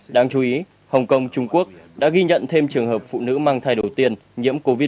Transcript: đáng chú ý hồng kông trung quốc đã ghi nhận thêm trường hợp phụ nữ mang thai đầu tiên nhiễm covid một mươi chín